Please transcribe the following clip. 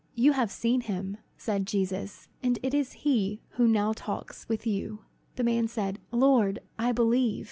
"You have seen him," said Jesus, "and it is he who now talks with you!" The man said, "Lord, I believe."